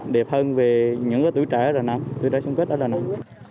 đẹp hơn về những tuổi trẻ ở đà nẵng tuổi trẻ xung kết ở đà nẵng